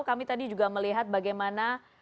kami tadi juga melihat bagaimana